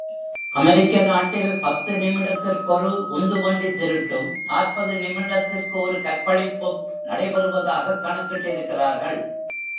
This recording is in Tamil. அமெரிக்க நாட்டில் பத்து நிமிடத்திற்கொரு உந்துவண்டித் திருட்டும், நாற்பது நிமிடத்திற்கொரு கற்பழிப்பும் நடை, பெறுவதாகக் கணக்கிட்டிருக்கிறார்கள்.